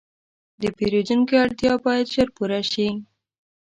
د پیرودونکي اړتیا باید ژر پوره شي.